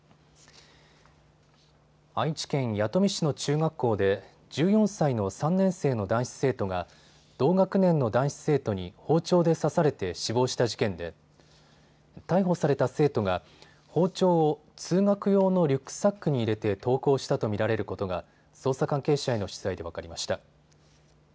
愛知県弥富市の中学校で１４歳の３年生の男子生徒が同学年の男子生徒に包丁で刺されて死亡した事件で逮捕された生徒が包丁を通学用のリュックサックに入れて登校したと見られることが捜査関係者への取材で分かりました。